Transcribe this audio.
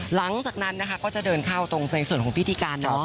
หลังจากนั้นนะคะก็จะเดินเข้าตรงในส่วนของพิธีการ